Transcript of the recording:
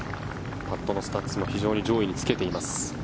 パットも非常に上位につけています。